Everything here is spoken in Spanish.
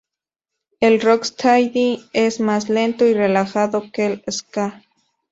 El rocksteady es más lento y relajado que el ska.